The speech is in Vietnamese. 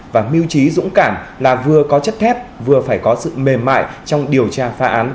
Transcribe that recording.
và miêu trí dũng cảm là vừa có chất thép vừa phải có sự mềm mại trong điều tra phá án